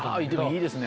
いいですね。